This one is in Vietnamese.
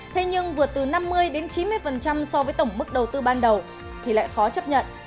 thế nhưng vượt từ năm mươi đến chín mươi so với tổng mức đầu tư ban đầu thì lại khó chấp nhận